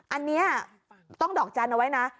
อันนี้ต้องดอกจันทร์เอาไว้นะ